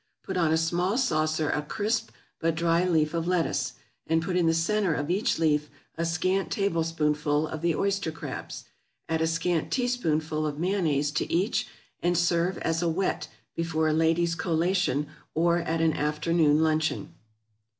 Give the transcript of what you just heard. = Put on a small saucer a crisp but dry leaf of lettuce, and put in the centre of each leaf a scant tablespoonful of the oyster crabs. Add a scant teaspoonful of mayonnaise to each, and serve as a whet before a ladies' collation, or at an afternoon luncheon.